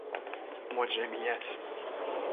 مجرمیت